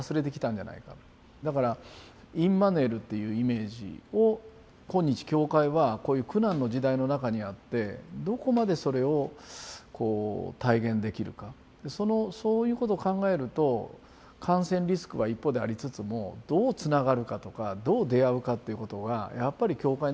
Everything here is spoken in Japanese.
だからインマヌエルっていうイメージを今日教会はこういう苦難の時代の中にあってどこまでそれをこう体現できるかそういうことを考えると感染リスクは一方でありつつもどうつながるかとかどう出会うかっていうことがやっぱり教会にとって非常に大事。